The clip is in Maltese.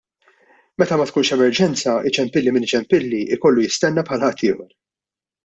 Meta ma tkunx emerġenza, iċempilli min iċempilli, ikollu jistenna bħal ħaddieħor.